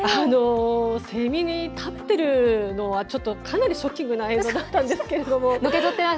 セミを食べてるのはかなりショッキングな映像だったんですが。